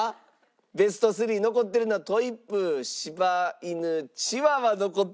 ベスト３残ってるのはトイプー柴犬チワワ残ってます。